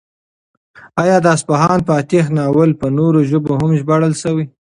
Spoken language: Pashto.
ایا د اصفهان فاتح ناول په نورو ژبو هم ژباړل شوی؟